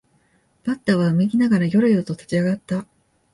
バッターはうめきながらよろよろと立ち上がった